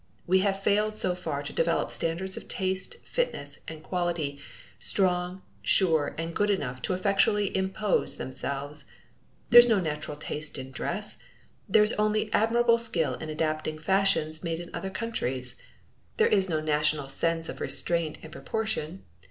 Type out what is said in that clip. We have failed so far to develop standards of taste, fitness, and quality, strong, sure, and good enough effectually to impose themselves. There is no national taste in dress; there is only admirable skill in adapting fashions made in other countries. There is no national sense of restraint and proportion.